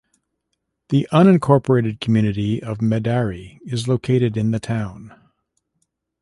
The unincorporated community of Medary is located in the town.